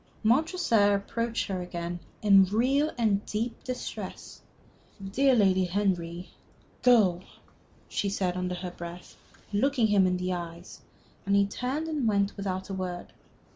Montresor approached her again, in real and deep distress. "Dear Lady Henry " "Go!" she said, under her breath, looking him in the eyes, and he turned and went without a word.